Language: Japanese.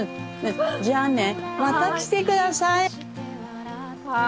じゃあねまた来て下さい！は。